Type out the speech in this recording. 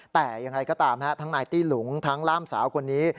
แต่ยังไงก็ตามทั้งนายตี้หลุงทั้งล่ามสาวคนนี้